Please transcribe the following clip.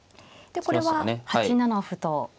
でこれは８七歩と。